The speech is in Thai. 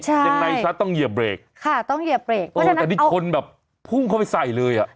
ใช่ยังไงซะต้องเหยียบเบรกค่ะต้องเหยียบเบรกด้วยโอ้แต่นี่ชนแบบพุ่งเข้าไปใส่เลยอ่ะ